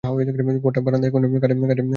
ঘরটা বারান্দার এক কোণে, কাঠের বেড়া দিয়ে ঘেরা।